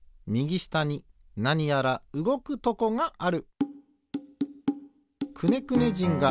ひだりうえなにやらうごくとこがある。